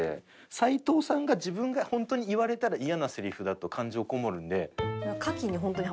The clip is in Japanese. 齊藤さんが自分が本当に言われたらイヤなせりふだと感情こもるんで。